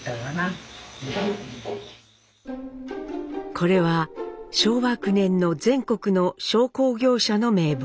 これは昭和９年の全国の商工業者の名簿。